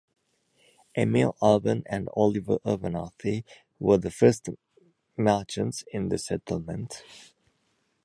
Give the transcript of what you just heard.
Emil Urban and Oliver Abernathy were the first merchants in the settlement.